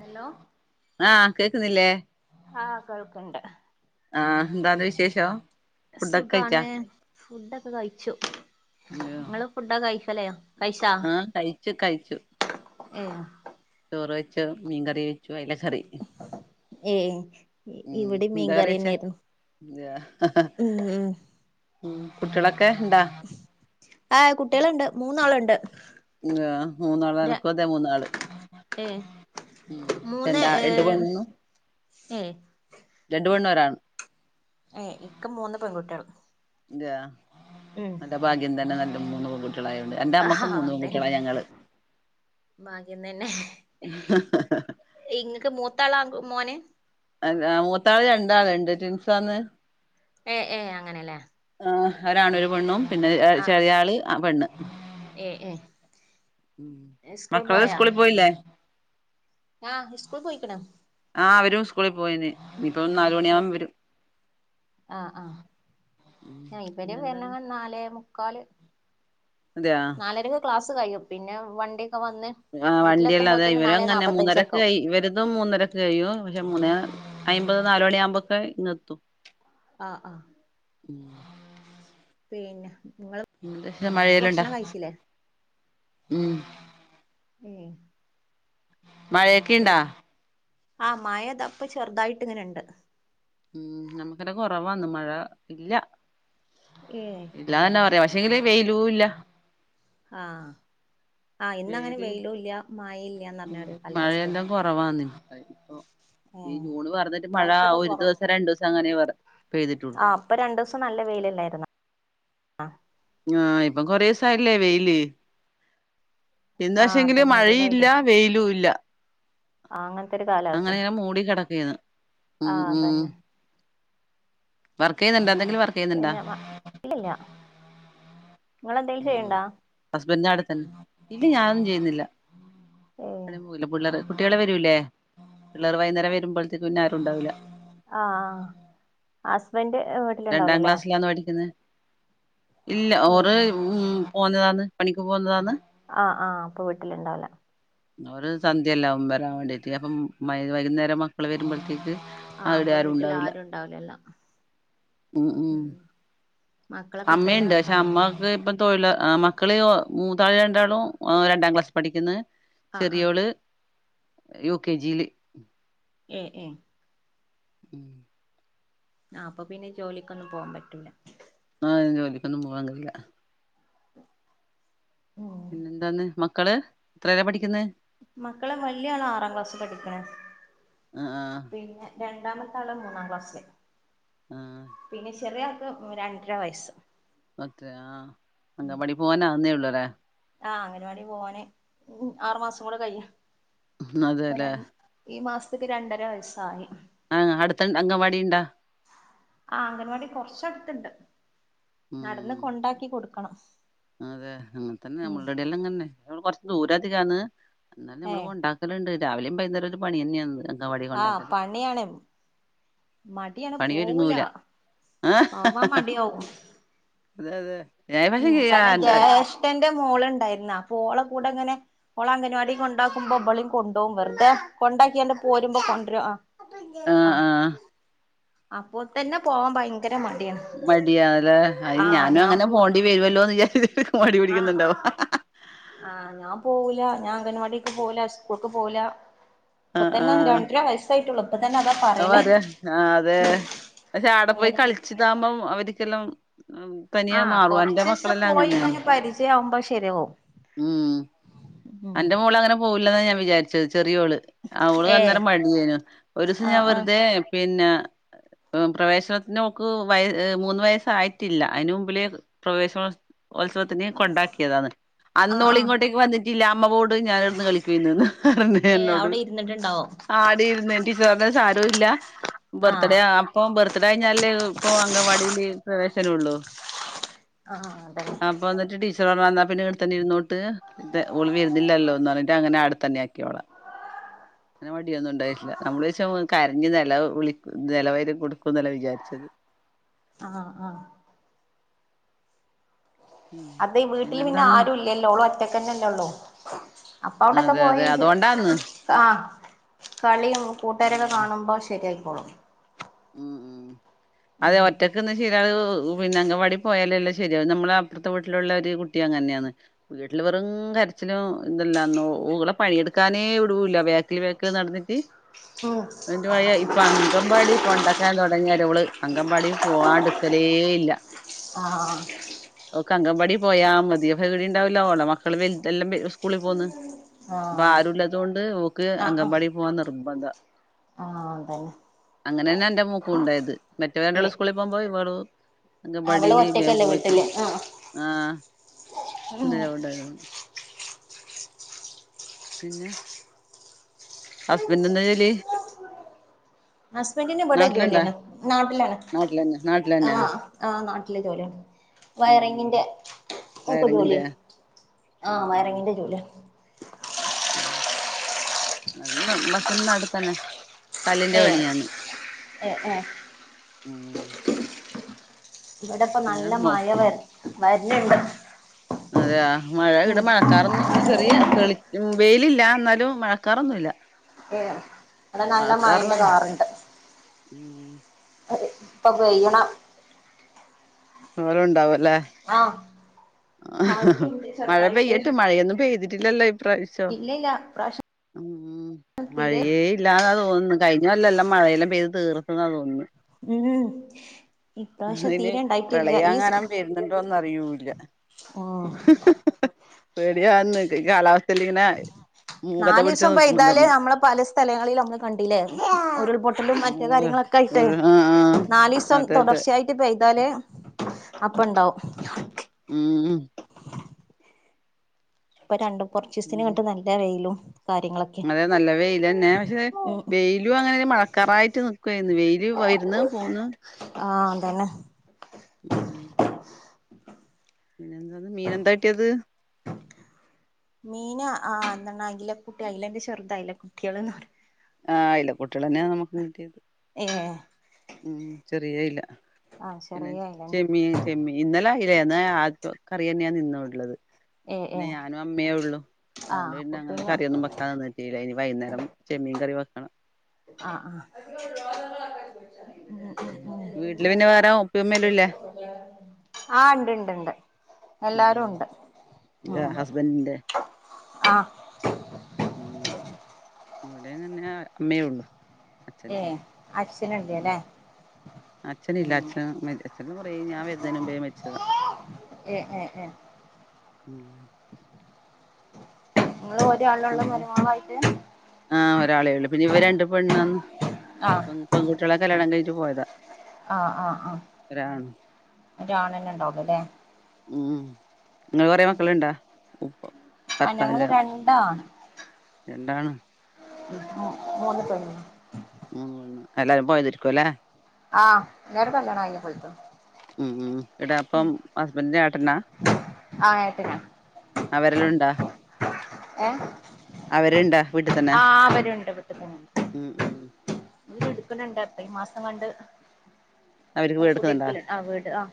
Hello ആ കേകിന്നില്ലേ ആഹ് കേൾക്ക്ണ്ട് ആ എന്താന്ന് വിശേഷം ഫുഡൊക്കെ കഴിച്ചാ സുഖാണ് ഫുഡൊക്കെ കഴിച്ചു ഇങ്ങള് ഫുഡൊക്കെ കഴിക്കലെയോ ആ കഴിച്ചു കഴിച്ചു ഏ ചോറ് വെച്ചു മീൻകറി വെച്ചു അയില കറി ഏ ഇവിടെ കറി വെച്ചേ മീൻകറിന്നെരുന്നു ഉം ഉം ഉം കുട്ടികൾ ആ കുട്ടിളിണ്ട് മൂന്നാളിണ്ട് മൂന്നാള എനക്ക് അതെ മൂന്നാള് ഏഹ് മൂന്ന് രണ്ടാ രണ്ട് ഏഹ് പെണ്ണും ഏഹ് രണ്ട് പെണ്ണ് ഒരാണ് ഏ ഇക്ക് മൂന്ന് പെകുട്ടിൾ അതെയ നല്ല ഭാഗ്യം തന്നെ നല്ല മൂന്ന്പെൺ കുട്ടിക കളയോണ്ട് എന്റെ അമ്മക്കും മൂന്നും കുട്ടിള ഞങ്ങള് ഭാക്കിന്നന്നെ ഇങ്ങക്ക് മൂത്താളാ മോന് അല്ല മൂത്താള് രണ്ടാളിണ്ട് ട്വിൻസന്ന് ഏ ഏ അങ്ങനെല്ലേ ഒരാണ് ഒര് പെണ്ണും പിന്നെ ആഹ് ആഹ് ചെറിയ ആള് ആ പെണ്ണ് ഏഹ് ഉ ഏഹ് മക്കള് സ്കൂളിൽ പോയില്ലേ? ആ സ്കൂൾ പോയിക്ക്ണ്. ആ വരും സ്കൂളിൽ പോയന് ഇപ്പൊ നാല് ഏഹ് മണിയാകുമ്പ വരും. ആഹ് ആഹ് ഞാ ഇപർ വരണ പിന്നെന്താന്ന് നാലേ മൂകാൽ അതെയാ നാലരക്കെ ക്ലാസ്സ് കഴിഴും പിന്നെ വണ്ടി ആ വണ്ടിയല്ലാതെ ഇവര് അങ്ങനെ നാപ്പത്തഞ്ചൊക്കെ മൂന്നരക്ക് ക ആവും ഇവരിതും മൂന്നരക്ക് കഴിയു പക്ഷെ മൂന്ന് അമ്പത് നാല മണിയ ആമ്പൊക്കെ ഇന്ന്ത്തും- ആഹ് ആഹ് [unintelligible] പിന്നെ നിങ്ങള് മഴെലണ്ടാ ഭക്ഷണം കഴിച്ചില്ലേ ഉം ഏഹ് മഴയെക്കെ ഇണ്ടാ? ആ മഴത ഇപ്പ ചെറുതായിട്ട് ഇങ്ങനെണ്ട് ഉം നമുക്കല്ല കുറവാന്ന് മഴ ഇല്ല ഏഹ് ഇല്ലാന്ന് തന്നെ പറയാ [unintelligible] വെയിലൂ ഇല്ല- ആഹ് - ആഹ് ഇന്നങ്ങനെ വെയിലില്ല വെയിലും ഇല്ല മയേ ഇല്ലാന്ന് പറഞ്ഞ ഉം ഒരു കാലാവസ്ഥാണ് മഴയെല്ലാം കുറവാന്ന് ഇപ്പൊ ഈ ഏഹ് ജൂണ് പറഞ്ഞിട്ട് മഴ ഇപ്രാശ്യൊക്കെ ഒരു കൊറവാ ദിവസം രണ്ടു ദിവസം അങ്ങനെ പെയ്തിട്ടുള്ളൂ ആഹ് ഇപ്പ രണ്ടൂസം നല്ല വെയി വെയിലല്ലായിരുന്നോ ആഹ് ആഹ് ഇപ്പം കൊറെസായില്ലേ വെയില് ഇന്ന് ആഹ് പക്ഷേങ്കില് അതന്നെ മഴേ ഇല്ല വെയിലായിരുന്നു വെയിലു ഇല്ല ആഹ് അങ്ങനത്തെ ഒരു അങ്ങനെ കാലാവസ്ഥയാണ് അങ്ങ് മൂടി കെടക്കയായിരുന്നു ഉം ആഹ് ഉം അതന്നെ വർക്ക് ചെയ്യുന്നുണ്ടോ എന്തെ പിന്നെ വ ഇല്ലല്ല ഇങ്ങളെന്തെങ്കിലും ചെയ്യണ്ടാ? ഹസ്ബൻ്റിന്റെ അടെതന്നെ ഇല്ല ഞാനൊന്നും ചെയ്യുന്നില്ല ഏ എടേം പോന്നില്ല പിള്ളറെടു കുട്ടികള് വരൂല്ലേ പിള്ളറ് വൈന്നേരം വെരുമ്പൾത്തേക്ക് പിന്നെ ആരും ഉണ്ടാവൂല്ല ആഹ് ആഹ് ഹസ്ബൻഡ് ഏഹ് രണ്ടാം വീട്ടിലുണ്ടാവല്ലോല്ലേ? ക്ലാസ്സിലാന്ന് പഠിക്കുന്നത് ഇല്ല ഓറ് ഉം പോന്നതാണ് പണിക്ക് പോന്നതാണ് ആഹ് ആഹ് അപ്പൊ വീട്ടില് ഇണ്ടാവൂല ഓറ് സന്ധ്യയെല്ലാവും വരാൻ വേണ്ടീറ്റ് അപ്പം മ വൈന്നേരം മക്കള് വെരുമ്പൾത്തേക്ക് ആഹ് അപ്പൊ വീട്ടിൽ ആരും ഉണ്ടാവൂലല്ലോ ഉം മക്കളൊക്കെ എത്രേലാ അമ്മയുണ്ട് പക്ഷെ പഠി അമ്മക്ക് ഇപ്പ തൊഴിലൊ ആഹ് മക്കള് മൂത്താള് രണ്ടാളും ഏഹ് രണ്ടാം ക്ലാസ് പഠിക്കുന്ന് ആഹ് ആഹ് ചെറിയോള് യു കെ ജിയില് ഏഹ് ഏഹ് ഉം ആഹ് അപ്പൊ പിന്നെ ജോലിക്കൊന്നും പോവാൻ പറ്റൂല [unintelligible] ജോലിക്കൊന്നും പോവാൻ കയൂല്ല ഉം പിന്നെ എന്താന്ന് മക്കള് എത്രേലാ പഠിക്ക് മക്കള് വല്യാള് ആറാം ക്ലാസ് പഠിക്കണ് ആ ആ പിന്നെ രണ്ട് രണ്ടാമത്തെ ആള് മൂന്നാം ക്ലാസ്സില് ആ പിന്നെ ചെറിയ ആൾക്ക് മ് രണ്ടര വയസ്സ് മറ്റേ ആഹ് അങ്കവാടി പോവാനാവുന്നേള്ളൂ ല്ലേ ആഹ് അങ്കനവാടി പോവാന് ഉം ആറ് മാസം കൂടെ കയ് [unintelligible] അതെല്ലേ ഇപ്പൊരാൻ ഈ മാസത്ത്ക്ക് രണ്ടര വയസായി. ആഹ് അട്ത്തൻ അങ്കൻവാടി ണ്ടാ? ആഹ് അങ്കൻവാടി കൊർച്ചട്ത്ത്ണ്ട് നടന്ന് ഉം കൊണ്ടാക്കി കൊട്ക്കണം. അതെ അങ്ങൻത്തന്നെ അമ്മളെടെല്ലങ്ങനെന്നെ [unintelligible] കൊർച്ച് ദൂരധികാണ്. ന്നാലും നമ്മള് ഏഹ് കൊണ്ടാക്കല്ണ്ട് രാവിലിം ബൈന്നേരൊര് പണ്യെനെന്ന്. ആഹ് പണ്യാണ്. മട്യാണ് പണി പോവൂല ഒരുങ്ങൂല ആഹ് പോവാം മട്യാവും. അതെ യതെ ഉം കാരണം ജേഷ്ഠൻ ൻ്റെ മോള്ണ്ടായിര്ന്ന അപ്പൊളെ കൂടെ ങ്ങനെ ഓളങ്കൻവാടി കൊണ്ടാക്കുമ്പോ ഇബളിം കൊണ്ടോവും വെർതെ കൊണ്ടാക്ക്യാണ്ട് പോരുമ്പം കൊൺര്രും ആഹ് അപ്പോ തന്നെ പോവാം ഭയ മട്യാല്ലേ അയ് ആഹ് ഞാനും ഞാൻ അങ്ങനെ പോ പോണ്ടി വെരൊല്ലോന്ന് വിചാര്ച്ച് ആഹ് ആഹ് ഞാൻ പോവൂല ഞാൻ അങ്കൻവാടിക്ക് പോവുല സ്കൂക്ക് പോവുല ഇപ്പതന്നെ രണ്ടര വയസായിട്ടൊള്ളൂ അത് വരെ ആ തെ പക്ഷെ ആടെ പോയി അംഗനവാടി കളിച്ച്താവുമ്പോം അവർക്ക്ക്കെല്ലാം ആഹ് കൊർച്ചീസം അങ്ങനെയാണ് പോയിങ്ങനെ പരിചയാവുമ്പത് ശെ ശെര്യവും ഉം അന്റെ മോളങ്ങനെ പോവൂല്ലാന്ന ഞാൻ വിചാര്ച്ചത് ചെറ്യോള് ആ ഓള് ഏഹ് അന്നേരം മട്യേനു ഒര് സ് ഞാ ആഹ് ആഹ് വെർതെ പിന്ന പ്രവേശനത്തിനൊക്ക് വയ മൂന്ന് വയസ്സായിട്ടില്ല അയ്ന് മുമ്പില് പ്രവേശനോൽ ഓൽത്സവത്തിന് കൊണ്ടാക്ക്യതാണ്. ആഹ് അന്നോള് ആഹ് ഇങ്ങോട്ടേക്ക് വന്നിട്ടില്ല അമ്മപോട് ഞാനിട്ന്ന് കളിക്കേണ് [unintelligible] ഏഹ് എന്നോട് അവിടെ ഇരുന്നിട്ടുണ്ടാവും ആടി [unintelligible] സാരോല്ല ആഹ് ബർത്ത്ഡേ അപ്പൊ ബർത്ത്ഡേ കയിഞ്ഞാല് ഇപ്പൊ അങ്കവാടില് പ്രവേശനൊള്ളൂ ആഹ് അതന്നെ അപ്പൊ [unintelligible] ഓള് വരുന്നില്ലല്ലോന്ന് പർഞ്ട്ടങ്ങനെ ആടെ തന്നെ ആക്കി ഓളെ അങ്ങനെ മടിയൊന്നും ഇണ്ടായിട്ടില്ല നമ്മള് വെച്ച കര്ഞ് നെല വിളി നെലവൈര്യം കൊടുക്കും ന്നല്ലേ വിചാരിച്ചത് ആഹ് ആഹ് ഉം അതെ വീട്ട്ല് പിന്നെ പിന്നെന്താന്ന് ആരും ഇല്ലല്ലോ ഓള് ഒറ്റക്കന്നെല്ലോ ഒള്ളു അപ്പ ഔടെക്കെ അതെ അതെ പോയി അതോണ്ടാന്ന് ആഹ് കളീം കൂട്ടാരൊക്കെ കാണുമ്പോ ശെരി ആയിക്കോളും ഉം ഉം അതെ ഒറ്റക്ക്ന്ന് [unintelligible] പിന്നെ അങ്കവാടി പോയാലല്ലേ ശെരിയാ നമ്മളെ അപ്പോർത്തെ വീട്ടിലുള്ള ഒരു കുട്ടി അങ്ങനെന്നെണ് വീട്ടില് വെറും കരച്ചിലും ഇന്തല്ല ഓളെ പണിയെടുക്കാനേ ഇടുല വേക്കില് വേക്കില് നടന്നിട്ട് ഉം [unintelligible] ഇപ്പ അങ്കൻമ്പാടി കൊണ്ടക്കാനെ തോടങ്ങിയാരെ ഓള് അങ്കവാടി പോവാടെ നിക്കലേ ഇല്ല ആഹ് ഓക്ക് അങ്കവാടി പോയാ മതി പേടിണ്ടാവുല ഓളെ മക്കള് വെൽതെ എല്ലാം സ്കൂളി പോന്ന് അപ്പൊ ആഹ് ആരുല്ലതൊണ്ട് ഓക്ക് ആഹ് ആഹ് അങ്കൻവാടി പോവാൻ നിർബന്ധ ആഹ് അതന്നെ അങ്ങനെന്നെ അന്റെ മോക്കും ഉണ്ടായത് മറ്റേല് രണ്ടാളും ഏഹ് സ്കൂളിൽ പോകുമ്പോ ഇവള് അവള് അങ്കവാടില് വേം ഒറ്റക്കല്ലേ പോയിട്ട് വീട്ടില് ആഹ് ആഹ് ഉം [unintelligible] പിന്നെ ഹസ്ബന്റ് എന്താ ജോലി? ഹസ്ബൻഡിന് ഇവിടെ നാട്ടിലുണ്ടാ ജോലിയണ് നാട്ടിലാണ് നാട്ടിലന്നെ നാട്ടിലന്നെ ആഹ് നാട്ട് ട്ടില് ജോലിയാ- ഉം ഉം വയറിങ്ങിന്റെ ഒക്ക ജോലി വയറിങ്ങിന്റെ ആഹ് വയറിങ്ങിന്റെ ജോലിയാ- അന്നമ്മതന്ന അട്ത്തന്നെ- കല്ലിന്റെ ഏഹ് പണിയാണ് ഏഹ് ഏഹ് ഉം- ഇവിടെ ഇപ്പ പിന്നെ നല്ല മോ മഴ വര് വര്ന്ന്ണ്ട്- അതെയ മഴ ഇടെ മഴക്കാറൊന്ന് ചെറിയ തെളി വെയിലില്ല എന്നാലും മഴക്കാറൊന്നുയില്ല- ഏ അടെ നല്ല മായറെ കാറുണ്ട് ഉം ഇപ്പൊ വ്യണ അവഓര ഉണ്ടാവ [unintelligible] ആഹ ആ മഴ പെയ്യട്ട് മഴയൊന്നും പെയ്തിട്ടില്ലല്ലോ ഇല്ല ഇല്ല ഇപ്രാവശ്യം ഉ തീരെ മഴയ ഇല്ലാന്നാ തോന്നുന്നു കഴിഞ്ഞ വല്ല എല്ലാം മഴയെല്ലാം പെയ്തു തീർത്ത തോന്നുന്നു ഉം ഇപ്രാവശ്യം ഇന് തീരെ ഇണ്ടായിട്ടില്ല പ്രളയംങ്ങാനൻ പരുന്നുണ്ടോന്ന് അയൂല്ല ആഹ പേടിയാന്ന് ഈ കാലാവസ്ഥൽ ഇങ്ങനെ നാൽ മൂക്കത്തെ പിടിച്ച് ദിവസം നിക്കുമ്പോ പെയ്താൽ തന്നെ നമ്മളെ പല സ്ഥലങ്ങളും നമ്മള് കണ്ടില്ലേ ഉരുൾപൊട്ടലും മറ്റു കാര്യങ്ങളൊക്കെ കയിട്ട് ഒരു ആഹ് ആഹ് നാൽ ദിവസം അതെ അതെ തുടർച്ചയായിട്ട്പ് ഇതാൽ അപ്പ ഇണ്ടാവും ഉം ഇപ്പൊ രണ്ടും കുറച്ച് ദിവസതിന് നല്ല വെയിലും കാര്യങ്ങളൊക്കെ അങ്ങനെ നല്ല വെയിൽ തന്നെ പക്ഷെ ഉം വെയിലും അങ്ങനെ മഴക്കാറായിട്ട് നക്കുവായിരുന്നു വെയില് വരുന്നു [unintelligible] പോന്ന ആഹ അതന്നെ ഉം മീനെന്താ കട്ടിയത് മീന ആ അയില കുട്ടി അയിലന്റെ ചെറുത് അയില കുട്ടികൾന്ന് പറ ആ അയില്ല കുട്ടികൾന്നെയ നമുക്ക് കിട്ടിയത് ഏഹ് ഉം ചെറിയ ഇല്ല ആഹ് പിന്നെ ചെറിയ അയിലന്നെ ചെമ്മീ ചെമ്മീ ഇന്നല അയില ആ കറി തന്നെയാണ് ഇന്നുഉള്ളത് ഏഹ് പിന്നെ ഏഹ് ഞാനും അമ്മയേ ഉള്ളു അതൊണ്ട് ആഹ് പിന്ന അപ്പൊ അങ്ങന പിന്നെ കറിയ ഒന്നും വെക്കാൻ നിന്നിട്ടില്ല ഇനി വൈകേരം ചെമ്മീൻ കറി വെക്കണം ആഹ ആഹ വീട്ടില് പിന്നെ വേറെ ഉപ്പയും ഉമ്മയും ഇല്ലേ ആ ആ ഉണ്ട് ഉണ്ട് എല്ലാരും ഉണ്ട് ഇ ഹസ്ബൻഡന്റെ ആഹ ഉ ഇവിടെങ്ങനെ അമ്മയേ ഉള്ളു ഏ അച്ഛനില്ല അച്ഛൻ ഉം ഇല്ലല്ലേ അച്ഛൻ ഇല്ല അച്ഛൻ അച്ഛന കുറെ ഞാൻ വരുനത്തിന് മുമ്പ് മരിച്ചതാ ഉം ഉ ഉം ഒറ്റ ആൾ ഒള്ളൂ മരുമകളായിട്ട് ആഹ ഒരാളെ ഉള്ളു പിന്നെ ഇവ രണ്ട് പെണ്ണും പെൺകുട്ടികളെ കല്യാണം കഴിഞ്ഞട്ടു പോയതാ ആഹ ആഹ് ആഹ ഒരാണും ഒരാണ തന്നെ ഉണ്ടാവലോ ഉം നിങ്ങള് കൊറേ അല്ലേ മക്കളുണ്ടാ ഉപ്പ ആ ഞങ്ങള് രണ്ടാ എന്താണ് ഉ ഉ മൂന്ന് പെണ്ണും മ എല്ലാരും പോയതിരിക്കുവ അല്ലേ ആഹ് എല്ലാരും കല്യാണം കഴിഞ്ഞു പോയിക്കുന്നു ഉം ഇടാ അപ്പം ഹസ്ബൻറിന്റെ ഏട്ടന്നാ ആഹ് ഏട്ടനാ അവരെല്ലാം ഉണ്ടാ ഏ അവരുണ്ടാ വീട്ടിൽ തന്നെ ആഹ് അവരു ഉണ്ട് ഉം ഉം ഇ എടുക്കണണ്ട് അപ്പേ ഈ മാസം കണ്ട് അവർക്ക് വീടെടുക്കുന്നുണ്ടാ കുടിരിക്കൽ ആ വീട് ആഹ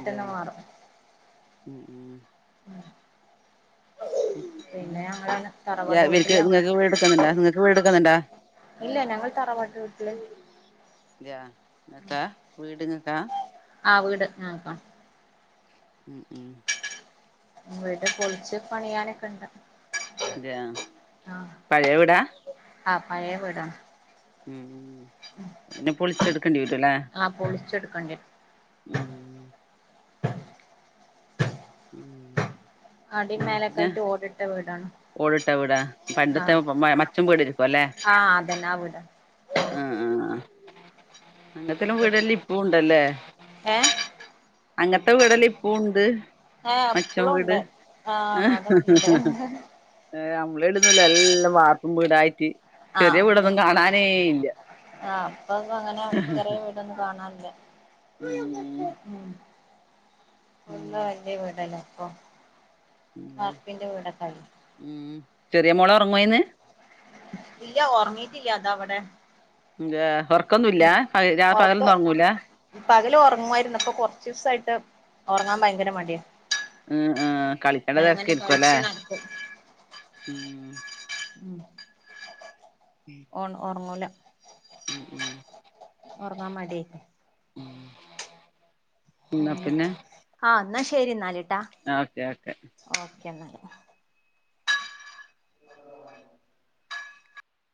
അതെയാ മാറും ഉം ഉം ഉം പിന്നെ ഞങ്ങളാണ് യാ തറവാട് വീട്ടില് ഇവർക്ക് ഞങ്ങള നിങ്ങക്ക് വീടെടുക്കുന്നുണ്ടാ നിങ്ങക്ക് വീടെടുക്കുന്നുണ്ടാ ഇല്ല ഞങ്ങൾ തറവാട്ട് വീട്ടില് യാ എന്നക്കാ വീട് ആ വീട് നോക്കാം ഉം ഉം വീട്പൊളിച്ച് പണിയാനൊക്കെ ഇണ്ട് അത പഴയ വിടാ ആ പഴയ വിട ഉ പിന്നെ പൊളിച്ചെടുക്കേണ്ടി വരുവല്ലേ കണ്ടി് ഉം ഉം എന്നാ പിന്നെ അടിമേലക്കൊയിട്ട് ഓടിട്ട വീടാണ് ഓടിട്ട വീടാ പണ്ടത്തെ ആഹ് മച്ചും വീട് ഇരിക്കുവ അല്ലേ ആഹ് അതന്നെ ആ വീടാ ആഹ് ആഹ് അങ്ങനത്തെല്ലാം വീടെല്ലാം ഇപ്പ ഉണ്ടല്ലേ ഏഹ് അങ്ങനത്തെ വിടല ഇപ്പ ഉണ്ട് ഏഹ് മച്ചം ഇപ്പളും വീട് ഉണ്ട് ആണോ ആഹ അതൊക്കെ ഉണ്ട് ഏഹ് നമ്മള ഇടുന്നല്ല എല്ലാം വാർപ്പു വീടായിട്ട് ചെറിയ വീടൊന്നും കാണാനേ ഇല്ല ആഹ അപ്പൊ അങ്ങനെ ചെറിയ വീടൊന്നും കാണാനില്ല ഉം അ [unintelligible] എല്ല ഉം വലിയ വീടല്ലേ ഇപ്പൊ വാർപ്പിന്റെ വീടൊക്ക ഉം ചെറിയ മോള് ഒറങ്ങുവായിരുന്ന് ഇല്ല ഒറങ്ങിട്ടില്ല അതാ അവ്ടെ ഇല്ലാ ഉം ഒറക്ക പകല് ഒറങ്ങുവായിരുന്നു ഇപ്പോ കൊറച്ചിസായിട്ട് ഉറങ്ങാൻ ഭയങ്കര മടിയ ഉം ഉം ആ കളിക്കണ തെരക്കായിരിക്കുല്ലെ കളിച്ച് നടക്കും ഉം ഉം ഓൺ ഒറങ്ങൂല ഉം ഉം ഒറങ്ങാൻ മടിയാ ഉം എന്നാ അങ്ങനെയൊക്കെ ആ എന്നാ ശെരി എന്നാല് ട്ടാ ആ ഓക്കെ ഓക്കെ ഓക്കെ എന്നാല് [inaudible]